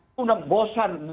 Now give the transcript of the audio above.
itu sudah bosan